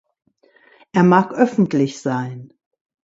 Er mag öffentlich sein.